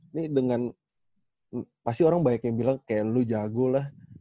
ini dengan pasti orang banyak yang bilang kayak lu jago lah